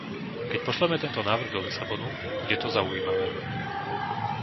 Keď pošleme tento návrh do Lisabonu, bude to zaujímavé.